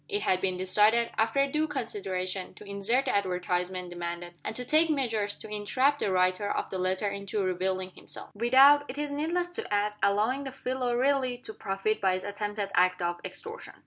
It had been decided, after due consideration, to insert the advertisement demanded, and to take measures to entrap the writer of the letter into revealing himself without, it is needless to add, allowing the fellow really to profit by his attempted act of extortion.